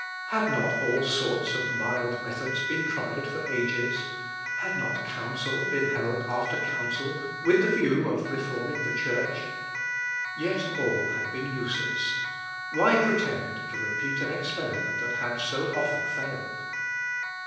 Had not all sorts of mild methods been tried for ages? Had not Council been held after Council, with the view of reforming the Church? Yet all had been useless. Why pretend to repeat an experiment that had so often failed?